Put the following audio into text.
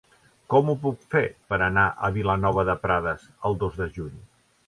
Com ho puc fer per anar a Vilanova de Prades el dos de juny?